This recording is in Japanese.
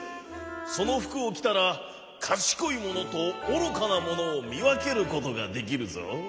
そのふくをきたらかしこいものとおろかなものをみわけることができるぞ。